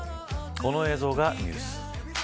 この映像がニュース。